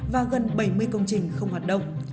và gần bảy mươi công trình không hoạt động